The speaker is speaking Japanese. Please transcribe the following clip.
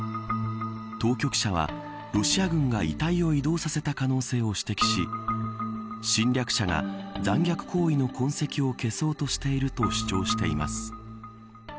当局者はロシア軍が遺体を移動させた可能性を指摘し侵略者が残虐行為の痕跡を消そうとしていると主張しています。